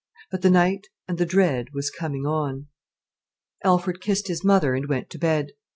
But the night and the dread was coming on. Alfred kissed his mother and went to bed.